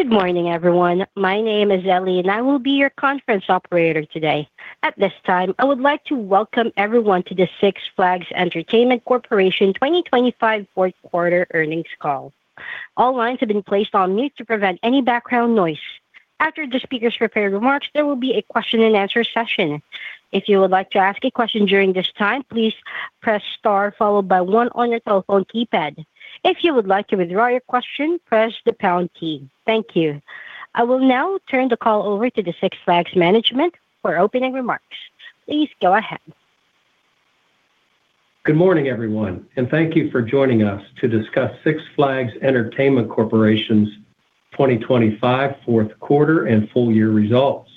Good morning, everyone. My name is Ellie, and I will be your conference operator today. At this time, I would like to welcome everyone to the Six Flags Entertainment Corporation 2025 Fourth Quarter Earnings Call. All lines have been placed on mute to prevent any background noise. After the speaker's prepared remarks, there will be a question and answer session. If you would like to ask a question during this time, please press Star followed by One on your telephone keypad. If you would like to withdraw your question, press the Pound key. Thank you. I will now turn the call over to the Six Flags management for opening remarks. Please go ahead. Good morning, everyone, and thank you for joining us to discuss Six Flags Entertainment Corporation's 2025 fourth quarter and full year results.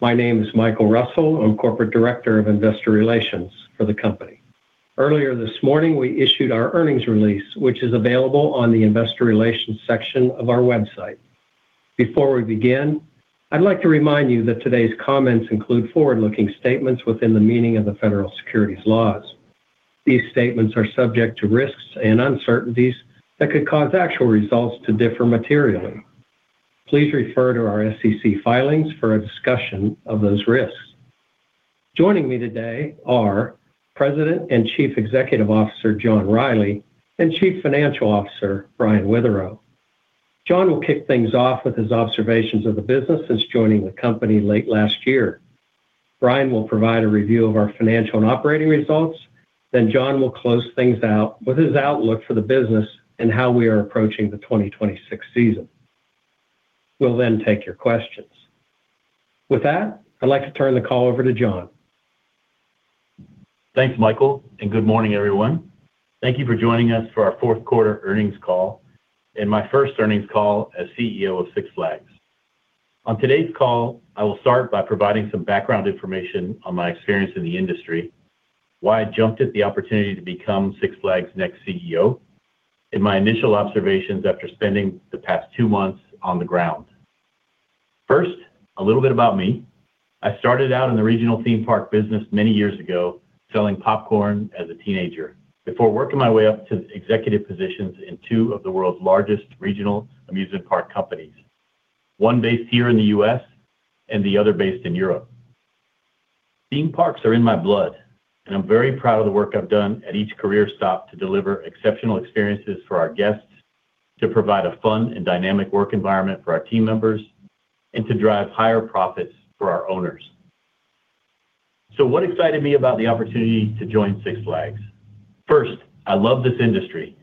My name is Michael Russell. I'm Corporate Director of Investor Relations for the company. Earlier this morning, we issued our earnings release, which is available on the investor relations section of our website. Before we begin, I'd like to remind you that today's comments include forward-looking statements within the meaning of the federal securities laws. These statements are subject to risks and uncertainties that could cause actual results to differ materially. Please refer to our SEC filings for a discussion of those risks. Joining me today are President and Chief Executive Officer, John Reilly, and Chief Financial Officer, Brian Witherow. John will kick things off with his observations of the business since joining the company late last year. Brian will provide a review of our financial and operating results. Then John will close things out with his outlook for the business and how we are approaching the 2026 season. We'll then take your questions. With that, I'd like to turn the call over to John. Thanks, Michael, and good morning, everyone. Thank you for joining us for our fourth quarter earnings call and my first earnings call as CEO of Six Flags. On today's call, I will start by providing some background information on my experience in the industry, why I jumped at the opportunity to become Six Flags' next CEO, and my initial observations after spending the past two months on the ground. First, a little bit about me. I started out in the regional theme park business many years ago, selling popcorn as a teenager before working my way up to executive positions in two of the world's largest regional amusement park companies, one based here in the U.S. and the other based in Europe. Theme parks are in my blood, and I'm very proud of the work I've done at each career stop to deliver exceptional experiences for our guests, to provide a fun and dynamic work environment for our team members, and to drive higher profits for our owners. So what excited me about the opportunity to join Six Flags? First, I love this industry.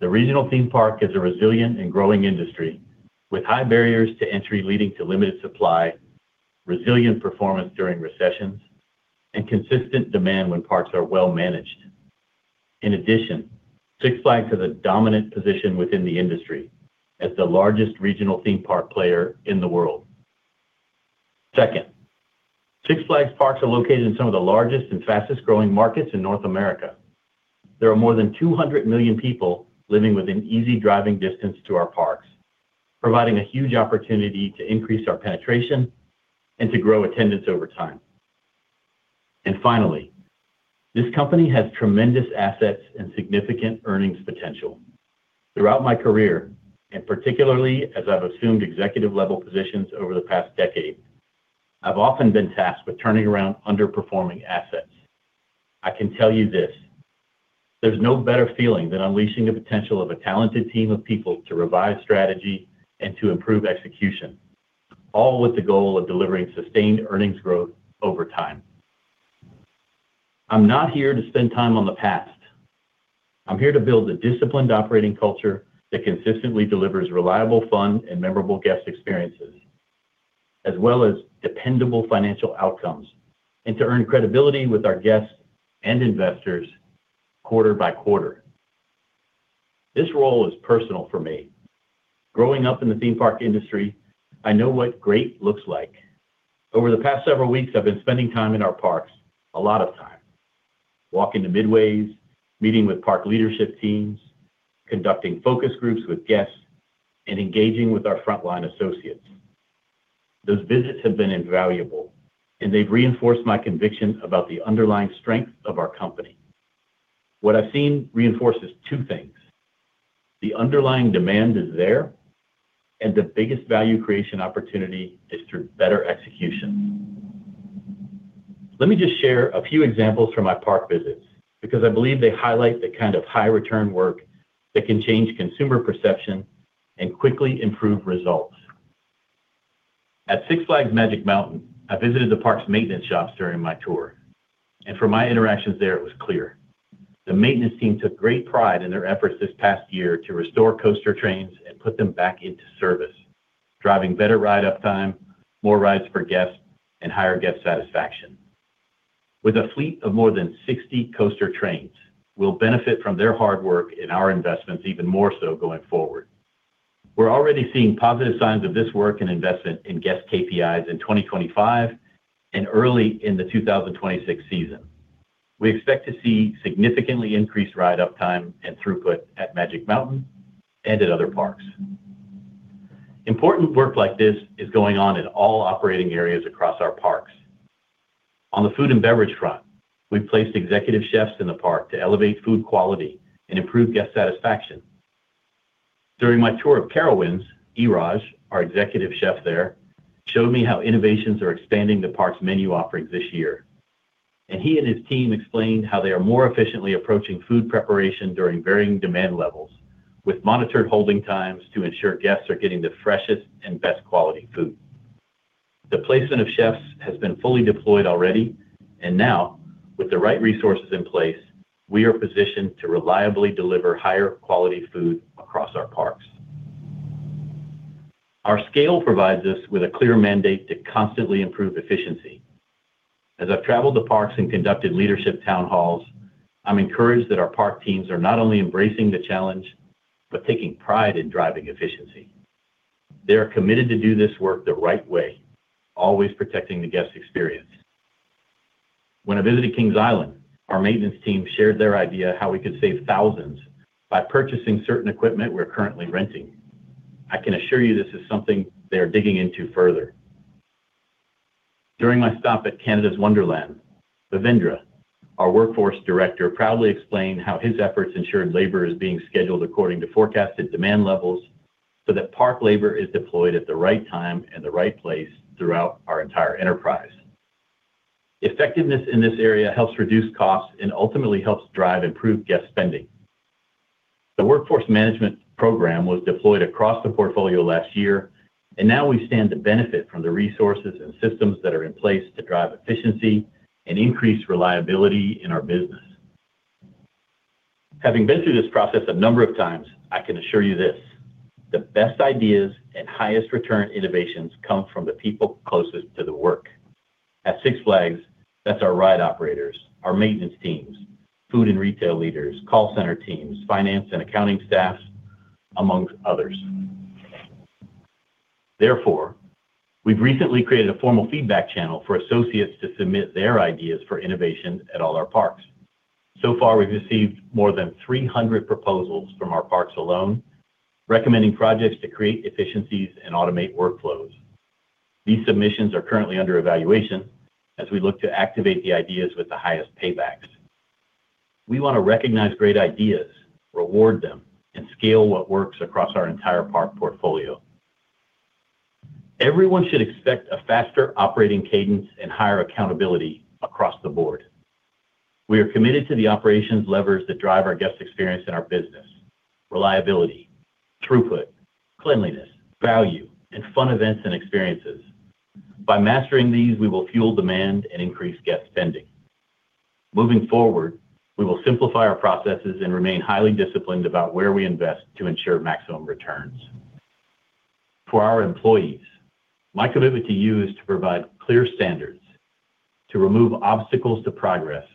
The regional theme park is a resilient and growing industry with high barriers to entry, leading to limited supply, resilient performance during recessions, and consistent demand when parks are well managed. In addition, Six Flags has a dominant position within the industry as the largest regional theme park player in the world. Second, Six Flags parks are located in some of the largest and fastest-growing markets in North America. There are more than 200 million people living within easy driving distance to our parks, providing a huge opportunity to increase our penetration and to grow attendance over time. And finally, this company has tremendous assets and significant earnings potential. Throughout my career, and particularly as I've assumed executive-level positions over the past decade, I've often been tasked with turning around underperforming assets. I can tell you this, there's no better feeling than unleashing the potential of a talented team of people to revise strategy and to improve execution, all with the goal of delivering sustained earnings growth over time. I'm not here to spend time on the past. I'm here to build a disciplined operating culture that consistently delivers reliable, fun, and memorable guest experiences, as well as dependable financial outcomes, and to earn credibility with our guests and investors quarter by quarter. This role is personal for me. Growing up in the theme park industry, I know what great looks like. Over the past several weeks, I've been spending time in our parks, a lot of time, walking the midways, meeting with park leadership teams, conducting focus groups with guests, and engaging with our frontline associates. Those visits have been invaluable, and they've reinforced my conviction about the underlying strength of our company. What I've seen reinforces two things: The underlying demand is there, and the biggest value creation opportunity is through better execution. Let me just share a few examples from my park visits because I believe they highlight the kind of high-return work that can change consumer perception and quickly improve results. At Six Flags Magic Mountain, I visited the park's maintenance shops during my tour, and from my interactions there, it was clear the maintenance team took great pride in their efforts this past year to restore coaster trains and put them back into service, driving better ride uptime, more rides for guests, and higher guest satisfaction. With a fleet of more than 60 coaster trains, we'll benefit from their hard work and our investments even more so going forward. We're already seeing positive signs of this work and investment in guest KPIs in 2025 and early in the 2026 season. We expect to see significantly increased ride uptime and throughput at Magic Mountain and at other parks. Important work like this is going on in all operating areas across our parks. On the food and beverage front, we've placed executive chefs in the park to elevate food quality and improve guest satisfaction. During my tour of Carowinds, Iraj, our Executive Chef there, showed me how innovations are expanding the park's menu offerings this year. And he and his team explained how they are more efficiently approaching food preparation during varying demand levels, with monitored holding times to ensure guests are getting the freshest and best quality food. The placement of chefs has been fully deployed already, and now, with the right resources in place, we are positioned to reliably deliver higher quality food across our parks. Our scale provides us with a clear mandate to constantly improve efficiency. As I've traveled the parks and conducted leadership town halls, I'm encouraged that our park teams are not only embracing the challenge, but taking pride in driving efficiency. They are committed to do this work the right way, always protecting the guest experience. When I visited Kings Island, our maintenance team shared their idea how we could save thousands by purchasing certain equipment we're currently renting. I can assure you this is something they are digging into further. During my stop at Canada's Wonderland, Ravindra, our Workforce Director, proudly explained how his efforts ensured labor is being scheduled according to forecasted demand levels, so that park labor is deployed at the right time and the right place throughout our entire enterprise. Effectiveness in this area helps reduce costs and ultimately helps drive improved guest spending. The Workforce Management Program was deployed across the portfolio last year, and now we stand to benefit from the resources and systems that are in place to drive efficiency and increase reliability in our business. Having been through this process a number of times, I can assure you this: the best ideas and highest return innovations come from the people closest to the work. At Six Flags, that's our ride operators, our maintenance teams, food and retail leaders, call center teams, finance and accounting staffs, among others. Therefore, we've recently created a formal feedback channel for associates to submit their ideas for innovation at all our parks. So far, we've received more than 300 proposals from our parks alone, recommending projects to create efficiencies and automate workflows. These submissions are currently under evaluation as we look to activate the ideas with the highest paybacks. We want to recognize great ideas, reward them, and scale what works across our entire park portfolio. Everyone should expect a faster operating cadence and higher accountability across the board. We are committed to the operations levers that drive our guest experience in our business: reliability, throughput, cleanliness, value, and fun events and experiences. By mastering these, we will fuel demand and increase guest spending. Moving forward, we will simplify our processes and remain highly disciplined about where we invest to ensure maximum returns. For our employees, my commitment to you is to provide clear standards, to remove obstacles to progress,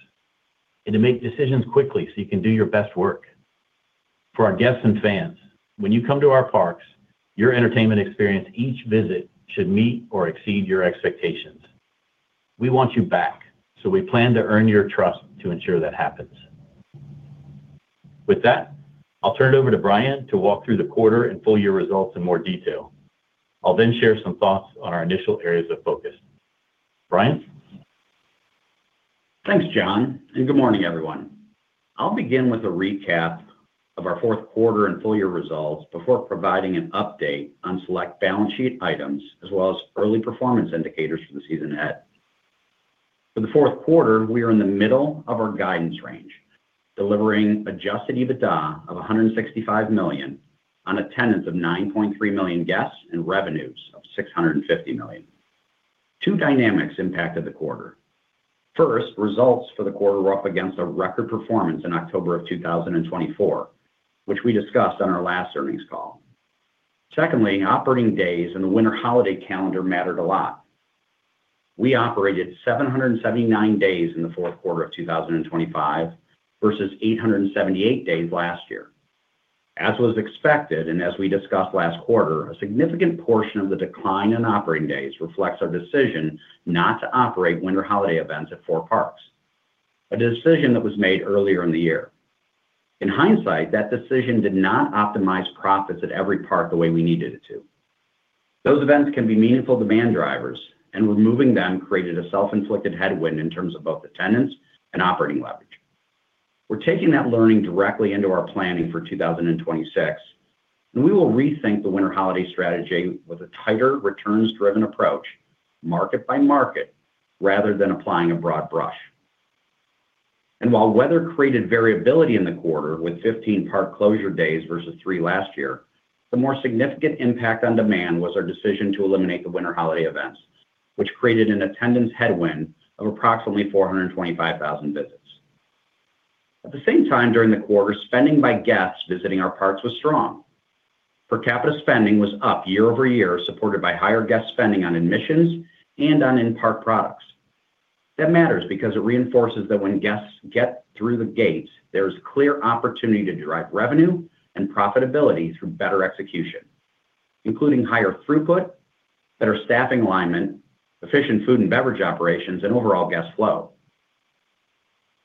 and to make decisions quickly so you can do your best work. For our guests and fans, when you come to our parks, your entertainment experience, each visit should meet or exceed your expectations. We want you back, so we plan to earn your trust to ensure that happens. With that, I'll turn it over to Brian to walk through the quarter and full year results in more detail. I'll then share some thoughts on our initial areas of focus. Brian? Thanks, John, and good morning, everyone. I'll begin with a recap of our fourth quarter and full year results before providing an update on select balance sheet items, as well as early performance indicators for the season ahead. For the fourth quarter, we are in the middle of our guidance range, delivering Adjusted EBITDA of $165 million on attendance of 9.3 million guests and revenues of $650 million. Two dynamics impacted the quarter. First, results for the quarter were up against a record performance in October 2024, which we discussed on our last earnings call. Secondly, operating days and the winter holiday calendar mattered a lot. We operated 779 days in the fourth quarter of 2025 versus 878 days last year. As was expected, and as we discussed last quarter, a significant portion of the decline in operating days reflects our decision not to operate winter holiday events at four parks. A decision that was made earlier in the year. In hindsight, that decision did not optimize profits at every park the way we needed it to. Those events can be meaningful demand drivers, and removing them created a self-inflicted headwind in terms of both attendance and operating leverage. We're taking that learning directly into our planning for 2026, and we will rethink the winter holiday strategy with a tighter, returns-driven approach, market by market, rather than applying a broad brush. While weather created variability in the quarter with 15 park closure days versus 3 last year, the more significant impact on demand was our decision to eliminate the winter holiday events, which created an attendance headwind of approximately 425,000 visits. At the same time, during the quarter, spending by guests visiting our parks was strong. Per capita spending was up year-over-year, supported by higher guest spending on admissions and on in-park products. That matters because it reinforces that when guests get through the gates, there is clear opportunity to drive revenue and profitability through better execution, including higher throughput, better staffing alignment, efficient food and beverage operations, and overall guest flow.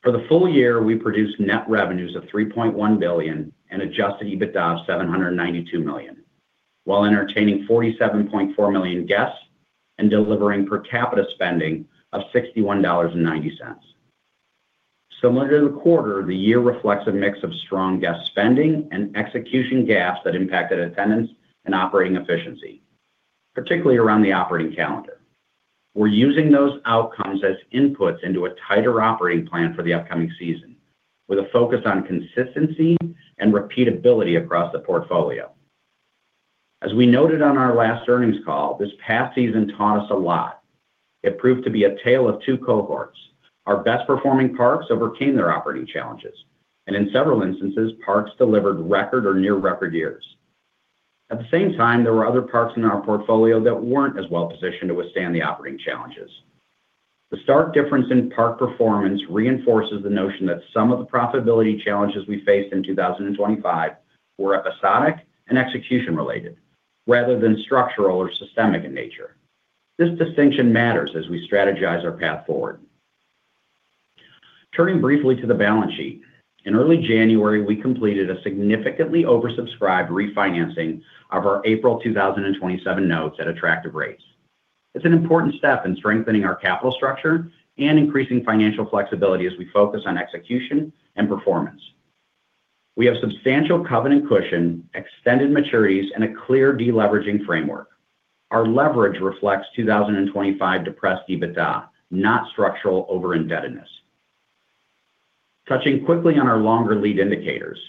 For the full year, we produced net revenues of $3.1 billion and Adjusted EBITDA of $792 million, while entertaining 47.4 million guests and delivering per capita spending of $61.90. Similar to the quarter, the year reflects a mix of strong guest spending and execution gaps that impacted attendance and operating efficiency, particularly around the operating calendar. We're using those outcomes as inputs into a tighter operating plan for the upcoming season, with a focus on consistency and repeatability across the portfolio. As we noted on our last earnings call, this past season taught us a lot. It proved to be a tale of two cohorts. Our best-performing parks overcame their operating challenges, and in several instances, parks delivered record or near record years. At the same time, there were other parks in our portfolio that weren't as well positioned to withstand the operating challenges. The stark difference in park performance reinforces the notion that some of the profitability challenges we faced in 2025 were episodic and execution-related rather than structural or systemic in nature. This distinction matters as we strategize our path forward. Turning briefly to the balance sheet. In early January, we completed a significantly oversubscribed refinancing of our April 2027 notes at attractive rates. It's an important step in strengthening our capital structure and increasing financial flexibility as we focus on execution and performance. We have substantial covenant cushion, extended maturities, and a clear deleveraging framework. Our leverage reflects 2025 depressed EBITDA, not structural overindebtedness. Touching quickly on our longer lead indicators.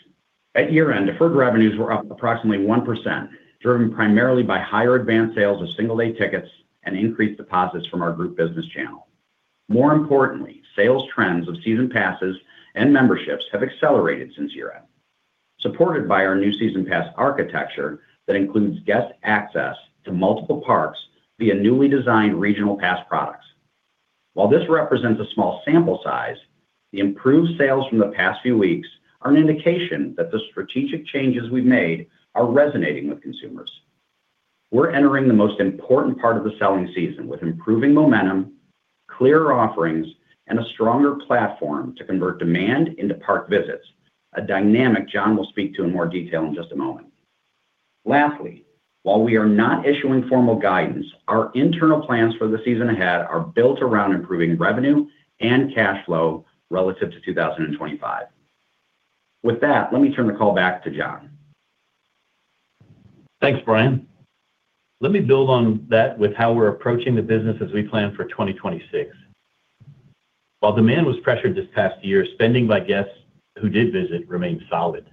At year-end, deferred revenues were up approximately 1%, driven primarily by higher advanced sales of single-day tickets and increased deposits from our group business channel. More importantly, sales trends of season passes and memberships have accelerated since year-end, supported by our new season pass architecture that includes guest access to multiple parks via newly designed regional pass products. While this represents a small sample size, the improved sales from the past few weeks are an indication that the strategic changes we've made are resonating with consumers. We're entering the most important part of the selling season with improving momentum, clear offerings, and a stronger platform to convert demand into park visits, a dynamic John will speak to in more detail in just a moment. Lastly, while we are not issuing formal guidance, our internal plans for the season ahead are built around improving revenue and cash flow relative to 2025. With that, let me turn the call back to John. Thanks, Brian. Let me build on that with how we're approaching the business as we plan for 2026. While demand was pressured this past year, spending by guests who did visit remained solid.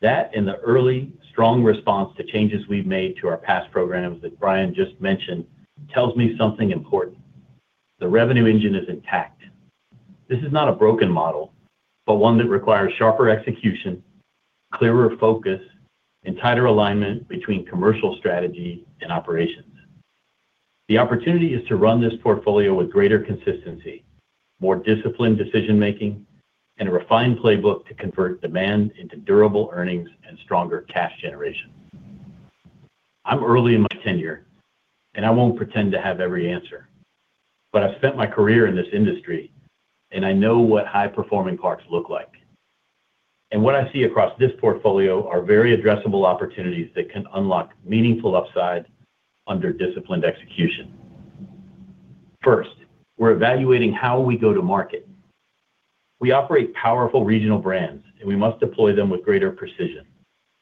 That and the early strong response to changes we've made to our pass programs that Brian just mentioned, tells me something important: the revenue engine is intact. This is not a broken model, but one that requires sharper execution, clearer focus, and tighter alignment between commercial strategy and operations. The opportunity is to run this portfolio with greater consistency, more disciplined decision-making, and a refined playbook to convert demand into durable earnings and stronger cash generation. I'm early in my tenure, and I won't pretend to have every answer, but I've spent my career in this industry, and I know what high-performing parks look like. What I see across this portfolio are very addressable opportunities that can unlock meaningful upside under disciplined execution. First, we're evaluating how we go to market. We operate powerful regional brands, and we must deploy them with greater precision.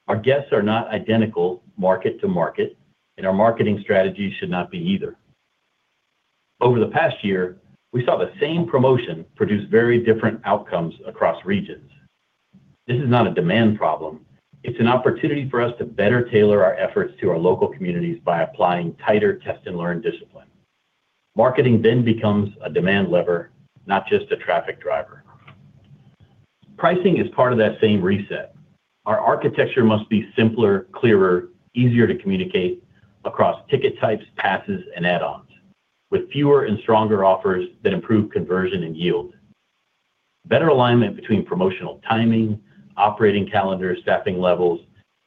Our guests are not identical market to market, and our marketing strategies should not be either. Over the past year, we saw the same promotion produce very different outcomes across regions. This is not a demand problem. It's an opportunity for us to better tailor our efforts to our local communities by applying tighter test-and-learn discipline. Marketing then becomes a demand lever, not just a traffic driver. Pricing is part of that same reset. Our architecture must be simpler, clearer, easier to communicate across ticket types, passes, and add-ons, with fewer and stronger offers that improve conversion and yield. Better alignment between promotional timing, operating calendar, staffing levels,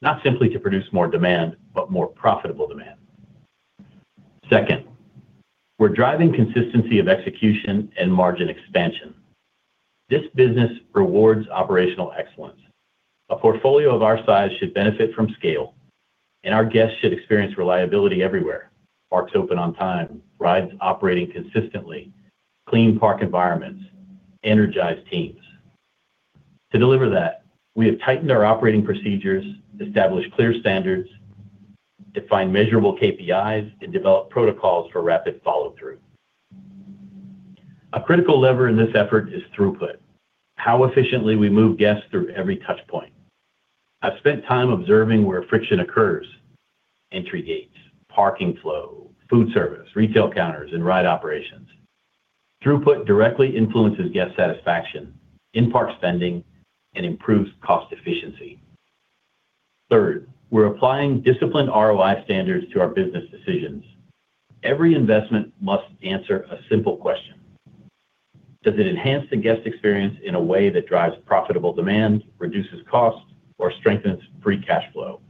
not simply to produce more demand, but more profitable demand. Second, we're driving consistency of execution and margin expansion. This business rewards operational excellence. A portfolio of our size should benefit from scale, and our guests should experience reliability everywhere. Parks open on time, rides operating consistently, clean park environments, energized teams. To deliver that, we have tightened our operating procedures, established clear standards, defined measurable KPIs, and developed protocols for rapid follow-through. A critical lever in this effort is throughput, how efficiently we move guests through every touchpoint. I've spent time observing where friction occurs: entry gates, parking flow, food service, retail counters, and ride operations. Throughput directly influences guest satisfaction, in-park spending, and improves cost efficiency. Third, we're applying disciplined ROI standards to our business decisions. Every investment must answer a simple question: Does it enhance the guest experience in a way that drives profitable demand, reduces costs, or strengthens free cash flow?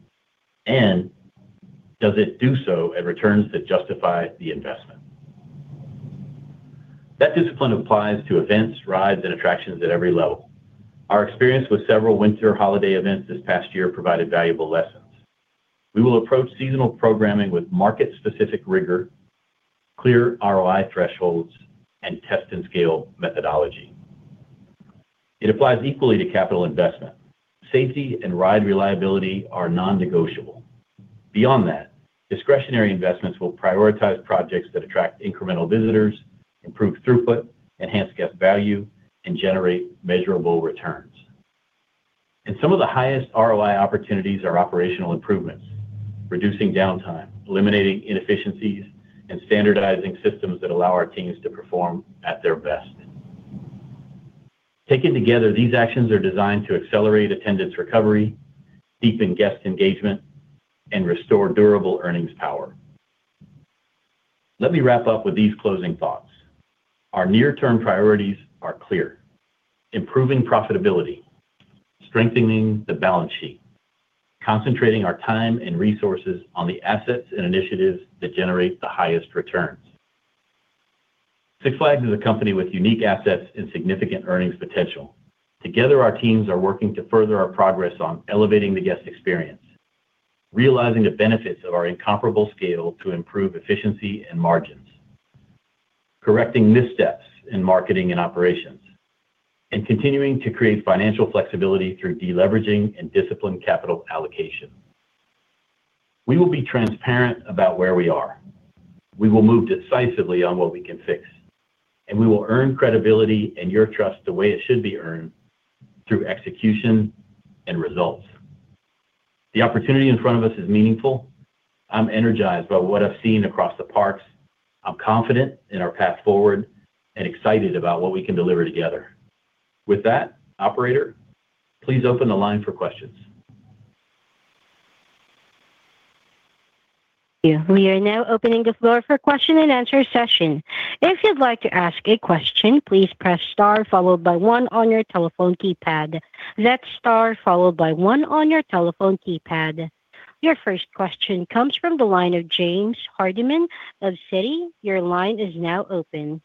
Does it do so at returns that justify the investment? That discipline applies to events, rides, and attractions at every level. Our experience with several winter holiday events this past year provided valuable lessons. We will approach seasonal programming with market-specific rigor, clear ROI thresholds, and test and scale methodology. It applies equally to capital investment. Safety and ride reliability are non-negotiable. Beyond that, discretionary investments will prioritize projects that attract incremental visitors, improve throughput, enhance guest value, and generate measurable returns. Some of the highest ROI opportunities are operational improvements: reducing downtime, eliminating inefficiencies, and standardizing systems that allow our teams to perform at their best. Taken together, these actions are designed to accelerate attendance recovery, deepen guest engagement, and restore durable earnings power. Let me wrap up with these closing thoughts. Our near-term priorities are clear: improving profitability, strengthening the balance sheet, concentrating our time and resources on the assets and initiatives that generate the highest returns. Six Flags is a company with unique assets and significant earnings potential. Together, our teams are working to further our progress on elevating the guest experience, realizing the benefits of our incomparable scale to improve efficiency and margins, correcting missteps in marketing and operations, and continuing to create financial flexibility through deleveraging and disciplined capital allocation. We will be transparent about where we are. We will move decisively on what we can fix, and we will earn credibility and your trust the way it should be earned, through execution and results. The opportunity in front of us is meaningful. I'm energized by what I've seen across the parks. I'm confident in our path forward and excited about what we can deliver together. With that, operator, please open the line for questions. We are now opening the floor for question and answer session. If you'd like to ask a question, please press Star, followed by 1 on your telephone keypad. That's Star, followed by 1 on your telephone keypad. Your first question comes from the line of James Hardiman of Citi. Your line is now open.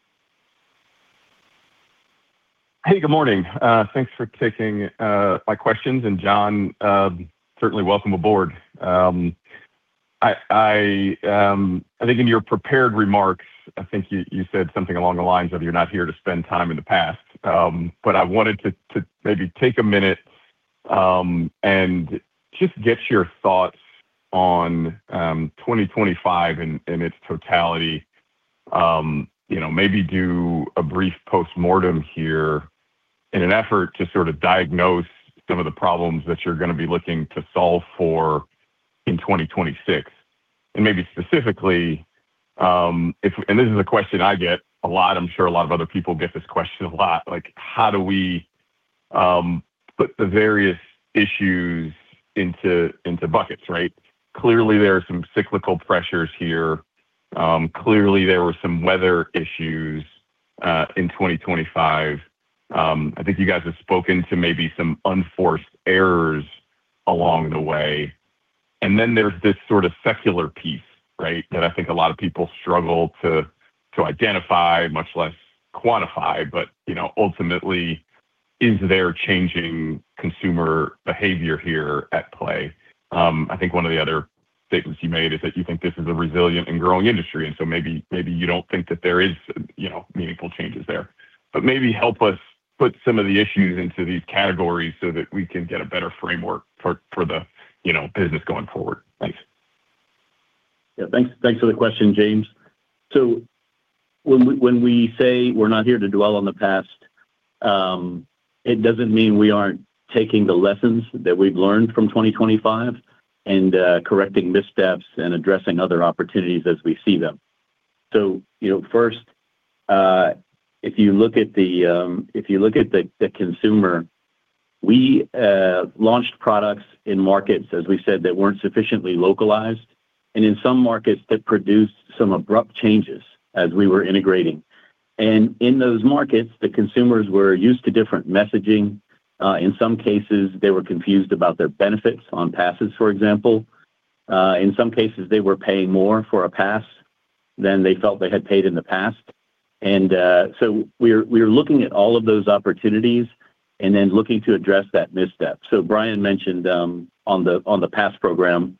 Hey, good morning. Thanks for taking my questions. John, certainly welcome aboard. I think in your prepared remarks, I think you said something along the lines of, "You're not here to spend time in the past." But I wanted to maybe take a minute and just get your thoughts on 2025 in its totality. You know, maybe do a brief postmortem here in an effort to sort of diagnose some of the problems that you're gonna be looking to solve for in 2026. And maybe specifically, if and this is a question I get a lot, I'm sure a lot of other people get this question a lot: like, how do we put the various issues into buckets, right? Clearly, there are some cyclical pressures here. Clearly, there were some weather issues in 2025. I think you guys have spoken to maybe some unforced errors along the way. And then there's this sort of secular piece, right, that I think a lot of people struggle to identify, much less quantify. But, you know, ultimately, is there changing consumer behavior here at play? I think one of the other statements you made is that you think this is a resilient and growing industry, and so maybe you don't think that there is, you know, meaningful changes there. But maybe help us put some of the issues into these categories so that we can get a better framework for the, you know, business going forward. Thanks. Yeah, thanks, thanks for the question, James. So when we, when we say we're not here to dwell on the past, it doesn't mean we aren't taking the lessons that we've learned from 2025 and correcting missteps and addressing other opportunities as we see them. So, you know, first, if you look at the consumer, we launched products in markets, as we said, that weren't sufficiently localized, and in some markets, that produced some abrupt changes as we were integrating. And in those markets, the consumers were used to different messaging. In some cases, they were confused about their benefits on passes, for example. In some cases, they were paying more for a pass than they felt they had paid in the past. We're looking at all of those opportunities and then looking to address that misstep. Brian mentioned on the pass program,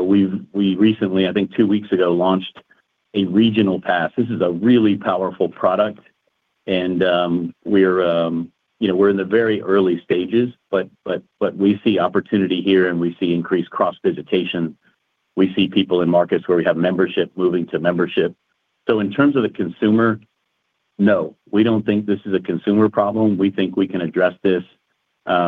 we've recently, I think two weeks ago, launched a regional pass. This is a really powerful product, and we're, you know, we're in the very early stages, but we see opportunity here, and we see increased cross-visitation. We see people in markets where we have membership moving to membership. So in terms of the consumer, no, we don't think this is a consumer problem. We think we can address this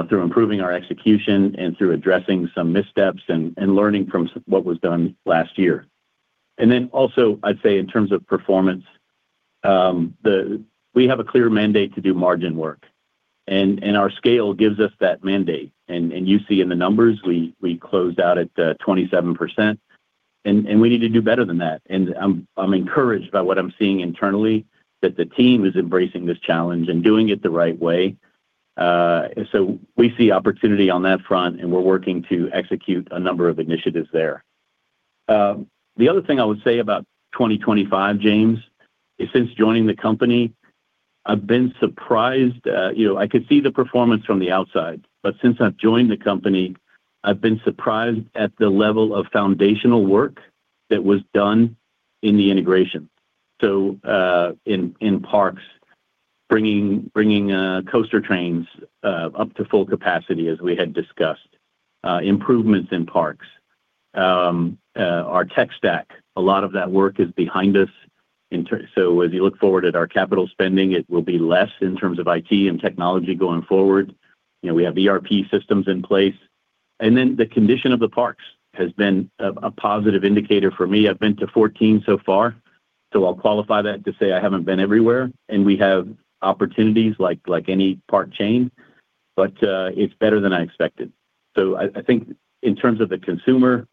through improving our execution and through addressing some missteps and learning from what was done last year. And then also, I'd say in terms of performance, we have a clear mandate to do margin work, and our scale gives us that mandate. And you see in the numbers, we closed out at 27%, and we need to do better than that. And I'm encouraged by what I'm seeing internally, that the team is embracing this challenge and doing it the right way. So we see opportunity on that front, and we're working to execute a number of initiatives there. The other thing I would say about 2025, James, is since joining the company, I've been surprised. You know, I could see the performance from the outside, but since I've joined the company, I've been surprised at the level of foundational work that was done in the integration. So, in parks, bringing coaster trains up to full capacity, as we had discussed, improvements in parks. Our tech stack, a lot of that work is behind us, so as you look forward at our capital spending, it will be less in terms of IT and technology going forward. You know, we have ERP systems in place, and then the condition of the parks has been a positive indicator for me. I've been to 14 so far, so I'll qualify that to say I haven't been everywhere, and we have opportunities like any park chain, but it's better than I expected. So I think in terms of the consumer,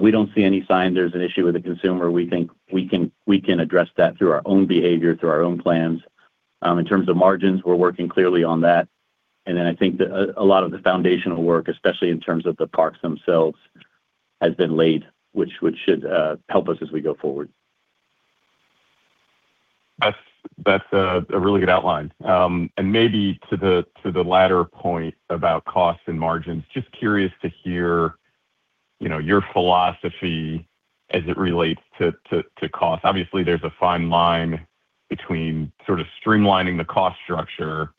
we don't see any sign there's an issue with the consumer. We think we can, we can address that through our own behavior, through our own plans. In terms of margins, we're working clearly on that, and then I think that a lot of the foundational work, especially in terms of the parks themselves, has been laid, which should help us as we go forward. That's a really good outline. And maybe to the latter point about costs and margins, just curious to hear, you know, your philosophy as it relates to cost. Obviously, there's a fine line between sort of streamlining the cost structure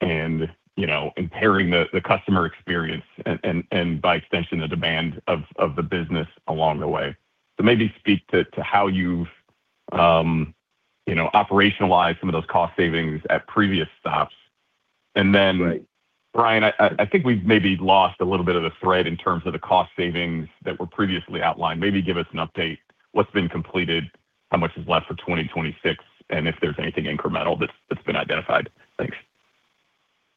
and, you know, impairing the customer experience and by extension, the demand of the business along the way. So maybe speak to how you've, you know, operationalized some of those cost savings at previous stops. Right. And then, Brian, I think we've maybe lost a little bit of the thread in terms of the cost savings that were previously outlined. Maybe give us an update, what's been completed, how much is left for 2026, and if there's anything incremental that's been identified.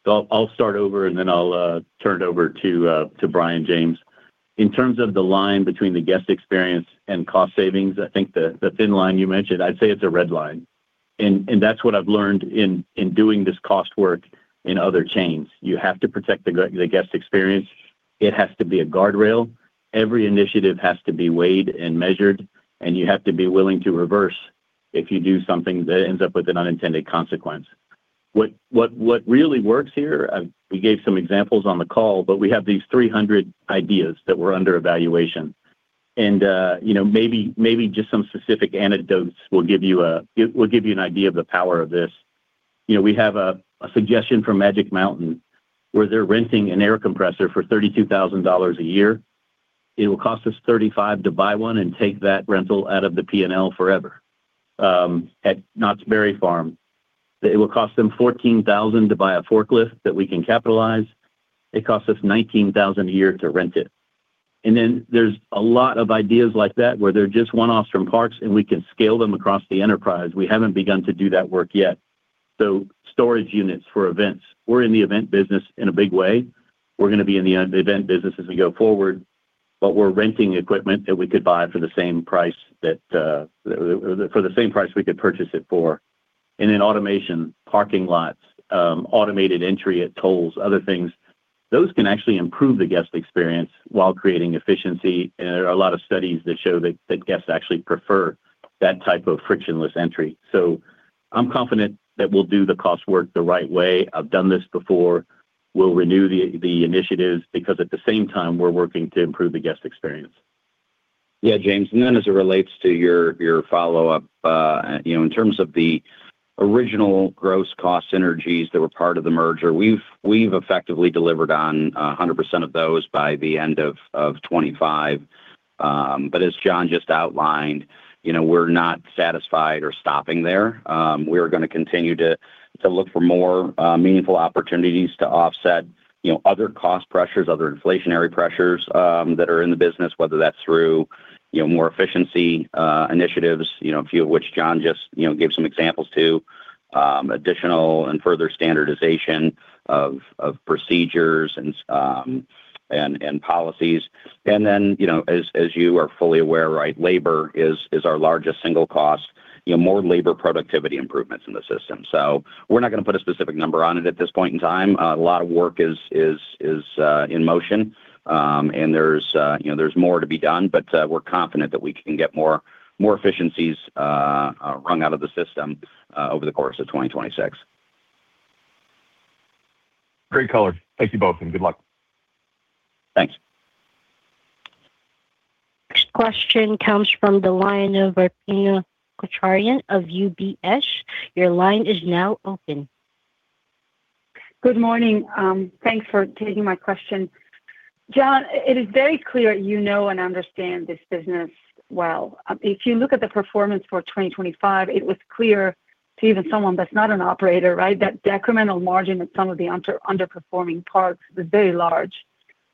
Thanks. So I'll start over, and then I'll turn it over to Brian James. In terms of the line between the guest experience and cost savings, I think the thin line you mentioned, I'd say it's a red line. And that's what I've learned in doing this cost work in other chains. You have to protect the guest experience. It has to be a guardrail. Every initiative has to be weighed and measured, and you have to be willing to reverse if you do something that ends up with an unintended consequence. What really works here, we gave some examples on the call, but we have these 300 ideas that were under evaluation. And you know, maybe just some specific anecdotes will give you an idea of the power of this. You know, we have a suggestion from Magic Mountain, where they're renting an air compressor for $32,000 a year. It will cost us $35,000 to buy one and take that rental out of the P&L forever. At Knott's Berry Farm, it will cost them $14,000 to buy a forklift that we can capitalize. It costs us $19,000 a year to rent it. And then there's a lot of ideas like that, where they're just one-offs from parks, and we can scale them across the enterprise. We haven't begun to do that work yet. So storage units for events. We're in the event business in a big way. We're gonna be in the event business as we go forward, but we're renting equipment that we could buy for the same price that for the same price we could purchase it for. In automation, parking lots, automated entry at tolls, other things, those can actually improve the guest experience while creating efficiency, and there are a lot of studies that show that guests actually prefer that type of frictionless entry. So I'm confident that we'll do the cost work the right way. I've done this before. We'll renew the initiatives because at the same time, we're working to improve the guest experience. Yeah, James, and then as it relates to your, your follow-up, you know, in terms of the original gross cost synergies that were part of the merger, we've, we've effectively delivered on 100% of those by the end of 2025. But as John just outlined, you know, we're not satisfied or stopping there. We're gonna continue to look for more meaningful opportunities to offset, you know, other cost pressures, other inflationary pressures that are in the business, whether that's through, you know, more efficiency initiatives, you know, a few of which John just, you know, gave some examples to, additional and further standardization of procedures and policies. And then, you know, as you are fully aware, right, labor is our largest single cost, you know, more labor productivity improvements in the system. So we're not gonna put a specific number on it at this point in time. A lot of work is in motion, and there's, you know, there's more to be done, but we're confident that we can get more efficiencies wrung out of the system over the course of 2026. Great color. Thank you both, and good luck. Thanks. Next question comes from the line of Arpine Kocharyan of UBS. Your line is now open. Good morning. Thanks for taking my question. John, it is very clear you know and understand this business well. If you look at the performance for 2025, it was clear to even someone that's not an operator, right? That decremental margin at some of the underperforming parks was very large.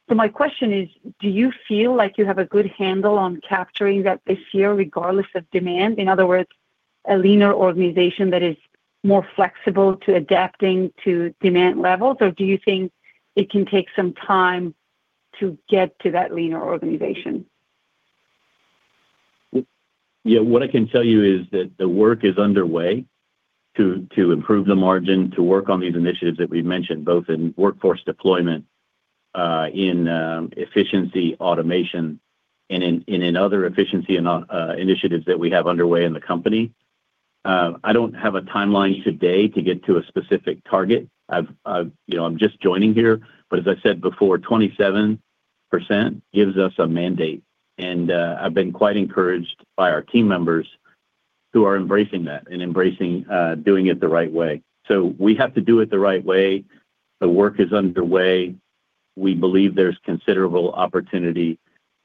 So my question is, do you feel like you have a good handle on capturing that this year, regardless of demand? In other words, a leaner organization that is more flexible to adapting to demand levels, or do you think it can take some time to get to that leaner organization? Yeah, what I can tell you is that the work is underway to improve the margin, to work on these initiatives that we've mentioned, both in workforce deployment, in efficiency, automation, and in other efficiency and initiatives that we have underway in the company. I don't have a timeline today to get to a specific target. I've-- You know, I'm just joining here, but as I said before, 27% gives us a mandate, and I've been quite encouraged by our team members who are embracing that and embracing doing it the right way. So we have to do it the right way. The work is underway. We believe there's considerable opportunity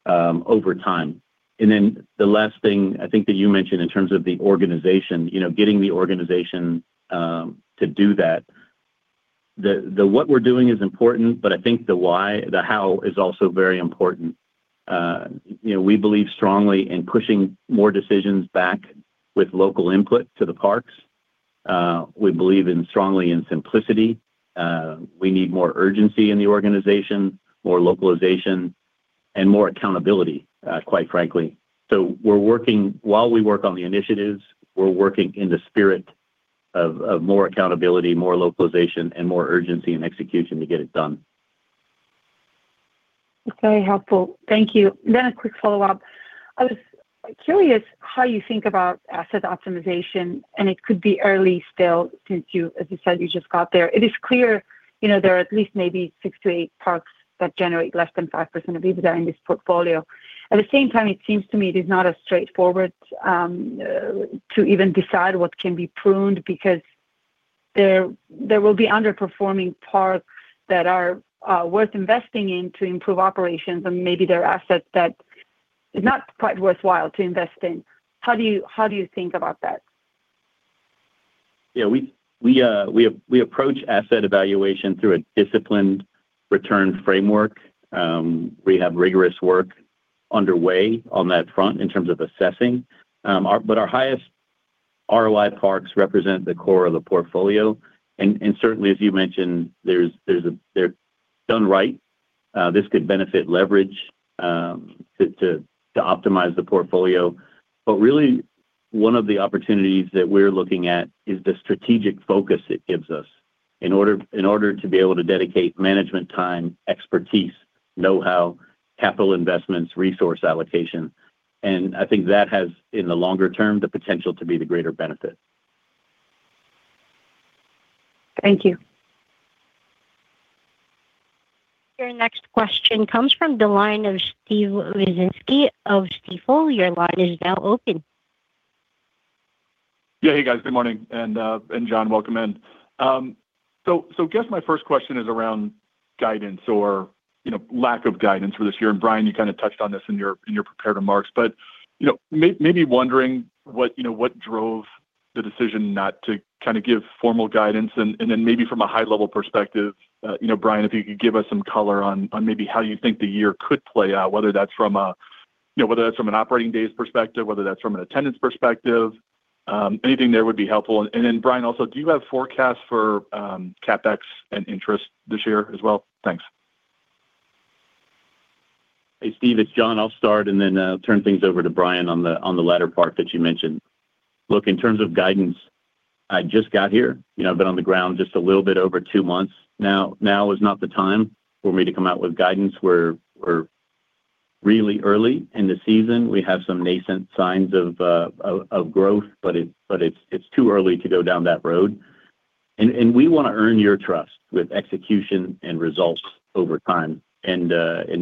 over time. Then the last thing I think that you mentioned in terms of the organization, you know, getting the organization to do that, what we're doing is important, but I think the why, the how is also very important. You know, we believe strongly in pushing more decisions back with local input to the parks. We believe strongly in simplicity. We need more urgency in the organization, more localization, and more accountability, quite frankly. We're working while we work on the initiatives, in the spirit of more accountability, more localization, and more urgency and execution to get it done. Very helpful. Thank you. Then a quick follow-up. I was curious how you think about asset optimization, and it could be early still, since you, as you said, you just got there. It is clear, you know, there are at least maybe 6-8 parks that generate less than 5% of EBITDA in this portfolio. At the same time, it seems to me it is not as straightforward to even decide what can be pruned because there will be underperforming parks that are worth investing in to improve operations, and maybe there are assets that is not quite worthwhile to invest in. How do you think about that? Yeah, we approach asset evaluation through a disciplined return framework. We have rigorous work underway on that front in terms of assessing. Our, but our highest ROI parks represent the core of the portfolio, and certainly, as you mentioned, there's a. They're done right, this could benefit leverage, to optimize the portfolio. But really, one of the opportunities that we're looking at is the strategic focus it gives us in order to be able to dedicate management time, expertise, know-how, capital investments, resource allocation, and I think that has, in the longer term, the potential to be the greater benefit. Thank you. Your next question comes from the line of Steve Wieczynski of Stifel. Your line is now open. Yeah, hey, guys. Good morning, and John, welcome in. So I guess my first question is around guidance or, you know, lack of guidance for this year. And, Brian, you kinda touched on this in your prepared remarks, but, you know, maybe wondering what, you know, what drove the decision not to kinda give formal guidance? And then maybe from a high-level perspective, you know, Brian, if you could give us some color on maybe how you think the year could play out, whether that's from a, you know, whether that's from an operating days perspective, whether that's from an attendance perspective, anything there would be helpful. And then, Brian, also, do you have forecasts for CapEx and interest this year as well? Thanks. Hey, Steve, it's John. I'll start and then turn things over to Brian on the latter part that you mentioned. Look, in terms of guidance, I just got here. You know, I've been on the ground just a little bit over two months now. Now is not the time for me to come out with guidance. We're really early in the season. We have some nascent signs of growth, but it's too early to go down that road. And we wanna earn your trust with execution and results over time. And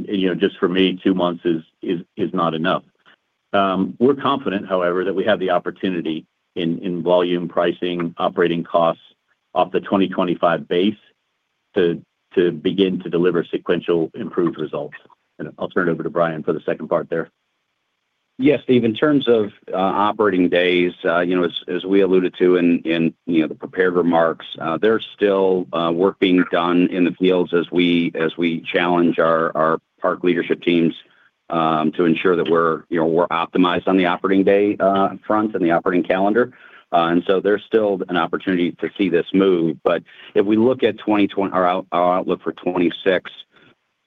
you know, just for me, two months is not enough. We're confident, however, that we have the opportunity in volume pricing, operating costs off the 2025 base to begin to deliver sequential improved results. I'll turn it over to Brian for the second part there. Yeah, Steve, in terms of operating days, you know, as we alluded to in you know, the prepared remarks, there's still work being done in the fields as we challenge our park leadership teams to ensure that we're you know, we're optimized on the operating day front and the operating calendar. And so there's still an opportunity to see this move. But if we look at 2025, our outlook for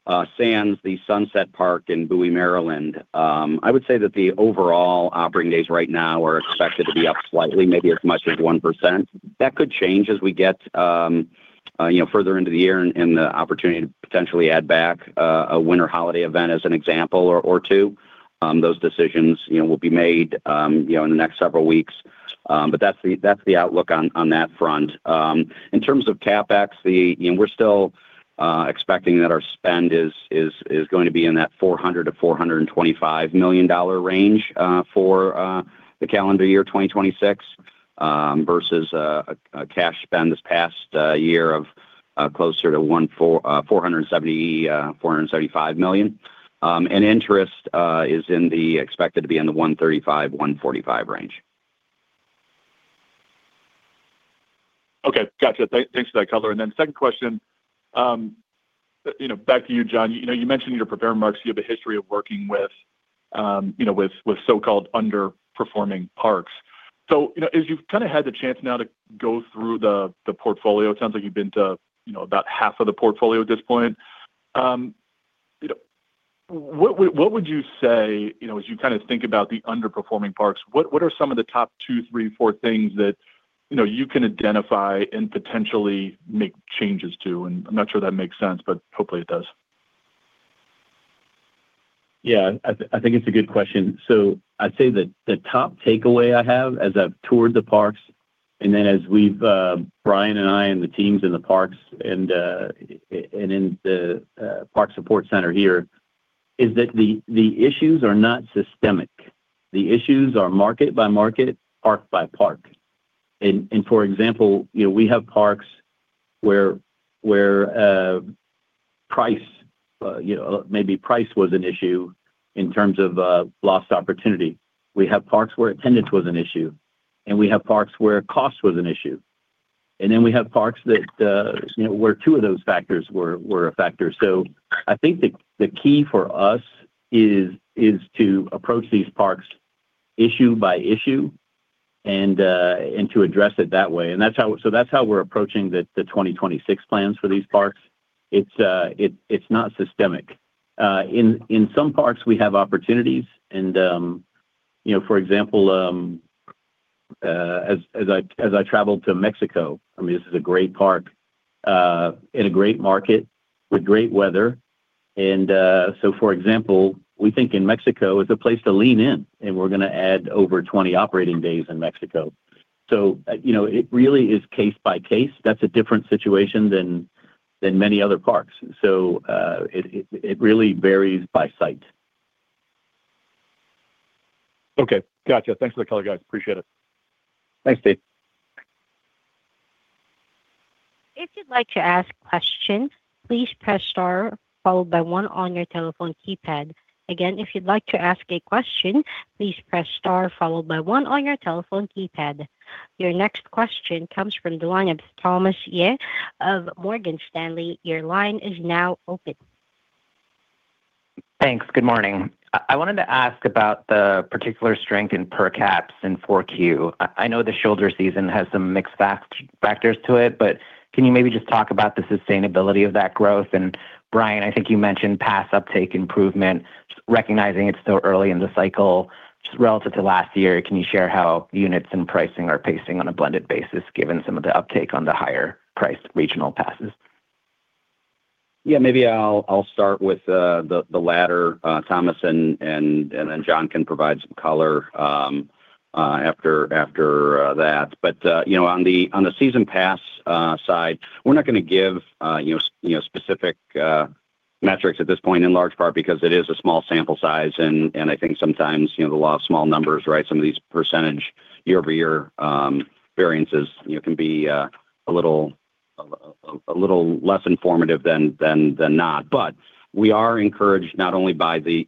2026, sans the Sunset Park in Bowie, Maryland, I would say that the overall operating days right now are expected to be up slightly, maybe as much as 1%. That could change as we get, you know, further into the year and the opportunity to potentially add back a winter holiday event as an example or two. Those decisions, you know, will be made, you know, in the next several weeks. But that's the, that's the outlook on that front. In terms of CapEx, you know, we're still expecting that our spend is going to be in that $400 million-$425 million range for the calendar year 2026, versus a cash spend this past year of closer to $475 million. And interest is expected to be in the $135 million-$145 million range. Okay, gotcha. Thanks for that color, and then second question, you know, back to you, John. You know, you mentioned in your prepared remarks, you have a history of working with, you know, with so-called underperforming parks. So, you know, as you've kind of had the chance now to go through the, the portfolio, it sounds like you've been to, you know, about half of the portfolio at this point. You know, what, what would you say, you know, as you kind of think about the underperforming parks, what, what are some of the top two, three, four things that, you know, you can identify and potentially make changes to? And I'm not sure that makes sense, but hopefully it does. Yeah, I think it's a good question. So I'd say that the top takeaway I have as I've toured the parks, and then as we've, Brian and I, and the teams in the parks and in the park support center here, is that the issues are not systemic. The issues are market by market, park by park. And for example, you know, we have parks where price, you know, maybe price was an issue in terms of lost opportunity. We have parks where attendance was an issue, and we have parks where cost was an issue, and then we have parks that, you know, where two of those factors were a factor. So I think the key for us is to approach these parks issue by issue and to address it that way. And that's how we're approaching the 2026 plans for these parks. It's not systemic. In some parks, we have opportunities and, you know, for example, as I traveled to Mexico, I mean, this is a great park in a great market with great weather. And so for example, we think in Mexico is a place to lean in, and we're gonna add over 20 operating days in Mexico. So, you know, it really is case by case. That's a different situation than many other parks. So, it really varies by site. Okay. Gotcha. Thanks for the color, guys. Appreciate it. Thanks, Steve. If you'd like to ask questions, please press star followed by one on your telephone keypad. Again, if you'd like to ask a question, please press star followed by one on your telephone keypad. Your next question comes from the line of Thomas Yeh of Morgan Stanley. Your line is now open. Thanks. Good morning. I wanted to ask about the particular strength in per caps in 4Q. I know the shoulder season has some mixed factors to it, but can you maybe just talk about the sustainability of that growth? And Brian, I think you mentioned pass uptake improvement, recognizing it's still early in the cycle, just relative to last year, can you share how units and pricing are pacing on a blended basis, given some of the uptake on the higher priced regional passes? Yeah, maybe I'll start with the latter, Thomas, and then John can provide some color after that. But you know, on the season pass side, we're not gonna give you know, specific metrics at this point in large part because it is a small sample size, and I think sometimes, you know, the law of small numbers, right? Some of these percentage year-over-year variances, you know, can be a little less informative than not. But we are encouraged not only by the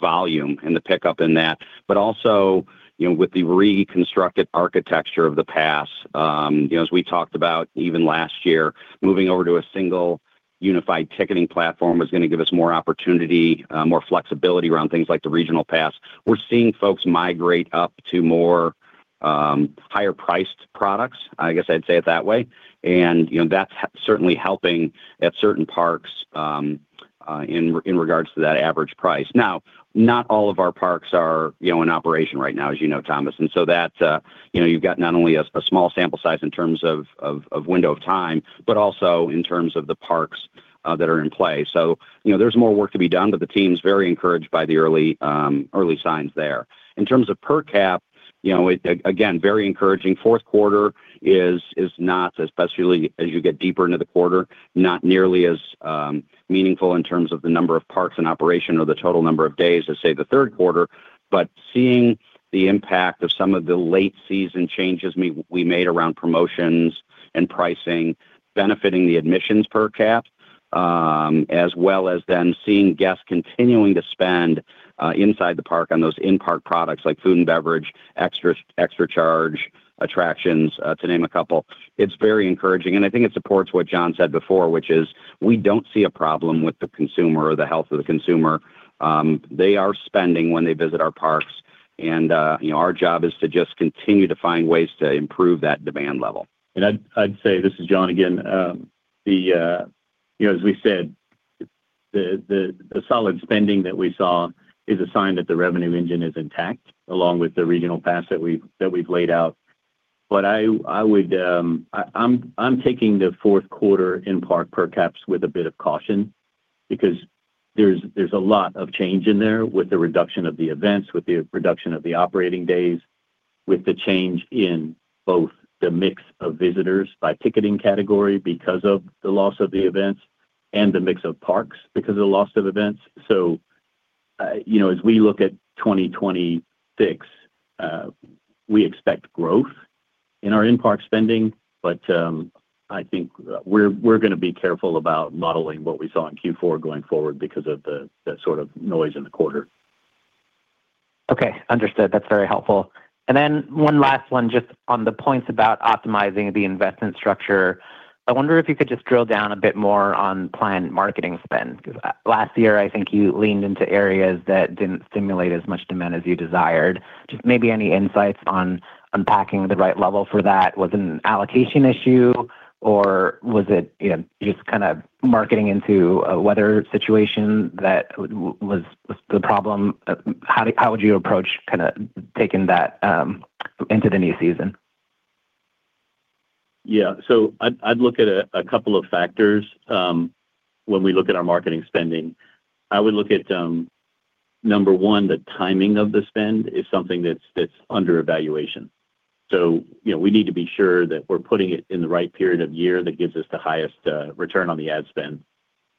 volume and the pickup in that, but also, you know, with the reconstructed architecture of the pass. You know, as we talked about even last year, moving over to a single unified ticketing platform was gonna give us more opportunity, more flexibility around things like the regional pass. We're seeing folks migrate up to more, higher priced products. I guess I'd say it that way. And, you know, that's certainly helping at certain parks, in regards to that average price. Now, not all of our parks are, you know, in operation right now, as you know, Thomas. And so that's, you know, you've got not only a small sample size in terms of window of time, but also in terms of the parks that are in play. So, you know, there's more work to be done, but the team's very encouraged by the early, early signs there. In terms of per cap, you know, again, very encouraging. Fourth quarter is not, especially as you get deeper into the quarter, not nearly as meaningful in terms of the number of parks in operation or the total number of days as, say, the third quarter. But seeing the impact of some of the late season changes we made around promotions and pricing, benefiting the admissions per cap, as well as then seeing guests continuing to spend inside the park on those in-park products like food and beverage, extra charge attractions, to name a couple. It's very encouraging, and I think it supports what John said before, which is we don't see a problem with the consumer or the health of the consumer. They are spending when they visit our parks and, you know, our job is to just continue to find ways to improve that demand level. And I'd say, this is John again. You know, as we said, the solid spending that we saw is a sign that the revenue engine is intact, along with the regional pass that we've laid out. But I would, I'm taking the fourth quarter in park per caps with a bit of caution because there's a lot of change in there with the reduction of the events, with the reduction of the operating days, with the change in both the mix of visitors by ticketing category because of the loss of the events and the mix of parks, because of the loss of events. So, you know, as we look at 2026, we expect growth in our in-park spending, but I think we're gonna be careful about modeling what we saw in Q4 going forward because of that sort of noise in the quarter. Okay, understood. That's very helpful. And then one last one, just on the points about optimizing the investment structure. I wonder if you could just drill down a bit more on planned marketing spend, because last year, I think you leaned into areas that didn't stimulate as much demand as you desired. Just maybe any insights on unpacking the right level for that? Was it an allocation issue, or was it, you know, just kinda marketing into a weather situation that was the problem? How would you approach kinda taking that into the new season? Yeah. So I'd look at a couple of factors when we look at our marketing spending. I would look at number one, the timing of the spend is something that's under evaluation. So, you know, we need to be sure that we're putting it in the right period of year that gives us the highest return on the ad spend.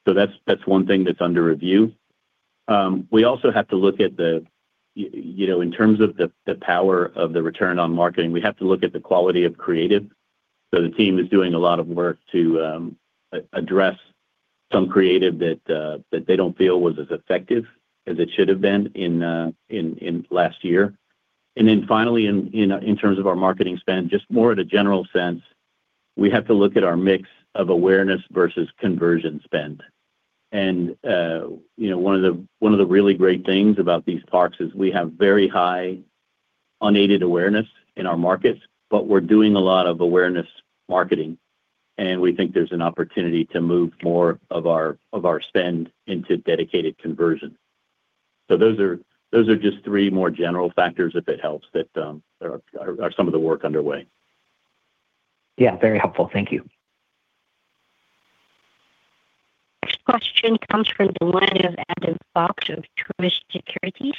So that's one thing that's under review. We also have to look at you know, in terms of the power of the return on marketing, we have to look at the quality of creative. So the team is doing a lot of work to address some creative that they don't feel was as effective as it should have been in last year. Then finally, in terms of our marketing spend, just more at a general sense, we have to look at our mix of awareness versus conversion spend. You know, one of the really great things about these parks is we have very high unaided awareness in our markets, but we're doing a lot of awareness marketing, and we think there's an opportunity to move more of our spend into dedicated conversion. Those are just three more general factors, if it helps, that are some of the work underway. Yeah, very helpful. Thank you. Next question comes from the line of Adam Fox of Truist Securities.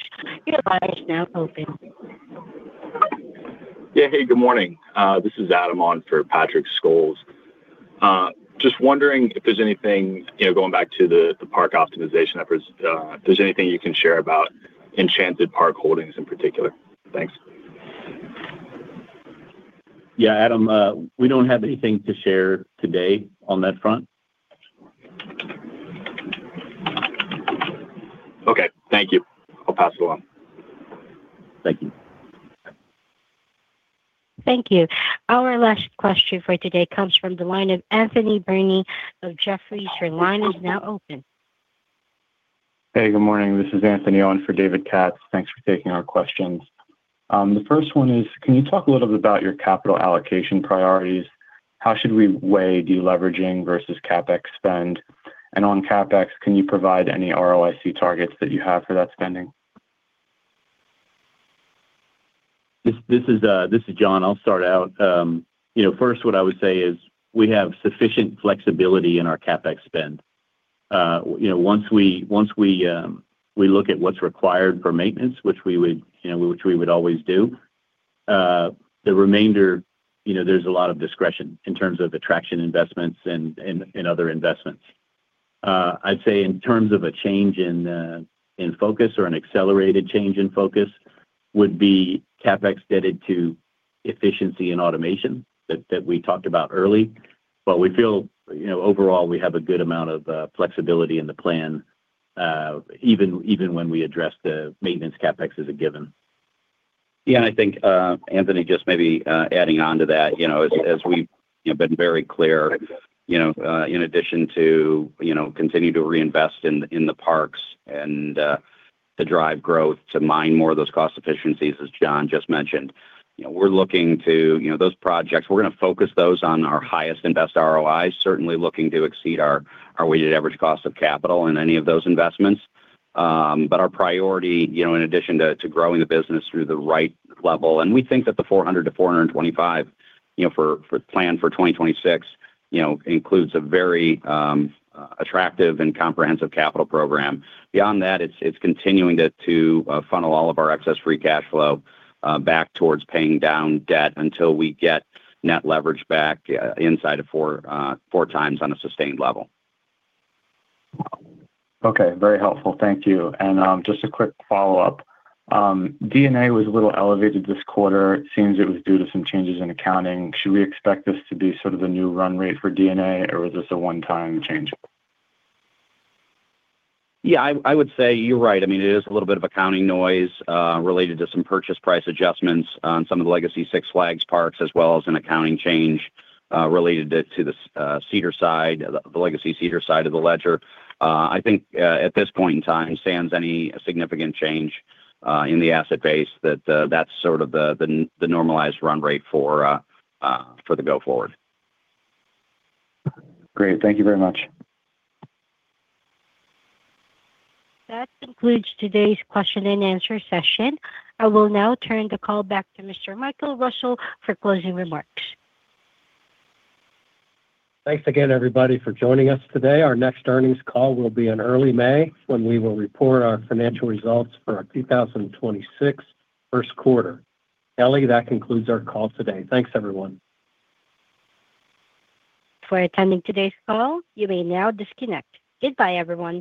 Your line is now open. Yeah. Hey, good morning. This is Adam on for Patrick Scholes. Just wondering if there's anything, you know, going back to the park optimization efforts, if there's anything you can share about Enchanted Park Holdings in particular. Thanks. Yeah, Adam, we don't have anything to share today on that front. Okay. Thank you. I'll pass it along. Thank you. Thank you. Our last question for today comes from the line of Anthony Berni of Jefferies. Your line is now open. Hey, good morning. This is Anthony on for David Katz. Thanks for taking our questions. The first one is, can you talk a little bit about your capital allocation priorities? How should we weigh deleveraging versus CapEx spend? And on CapEx, can you provide any ROIC targets that you have for that spending? This is John. I'll start out. You know, first, what I would say is we have sufficient flexibility in our CapEx spend. You know, once we look at what's required for maintenance, which we would, you know, always do, the remainder, you know, there's a lot of discretion in terms of attraction investments and other investments. I'd say in terms of a change in focus or an accelerated change in focus would be CapEx dedicated to efficiency and automation that we talked about early. But we feel, you know, overall, we have a good amount of flexibility in the plan, even when we address the maintenance CapEx as a given. Yeah, and I think, Anthony, just maybe, adding on to that, you know, as, as we've, you know, been very clear, you know, in addition to, you know, continue to reinvest in, in the parks and, to drive growth, to mine more of those cost efficiencies, as John just mentioned. You know, we're looking to, you know, those projects, we're gonna focus those on our highest invest ROIs, certainly looking to exceed our, our weighted average cost of capital in any of those investments. But our priority, you know, in addition to, to growing the business through the right level, and we think that the $400 million-$425 million, you know, for, for plan for 2026, you know, includes a very, attractive and comprehensive capital program. Beyond that, it's continuing to funnel all of our excess free cash flow back towards paying down debt until we get net leverage back inside of 4x on a sustained level. Okay. Very helpful. Thank you. Just a quick follow-up. D&A was a little elevated this quarter. It seems it was due to some changes in accounting. Should we expect this to be sort of the new run rate for D&A, or was this a one-time change? Yeah, I would say you're right. I mean, it is a little bit of accounting noise related to some purchase price adjustments on some of the legacy Six Flags parks, as well as an accounting change related to the Cedar side, the legacy Cedar side of the ledger. I think at this point in time, sans any significant change in the asset base, that's sort of the normalized run rate for the go forward. Great. Thank you very much. That concludes today's question and answer session. I will now turn the call back to Mr. Michael Russell for closing remarks. Thanks again, everybody, for joining us today. Our next earnings call will be in early May, when we will report our financial results for our 2026 first quarter. Ellie, that concludes our call today. Thanks, everyone. For attending today's call, you may now disconnect. Goodbye, everyone.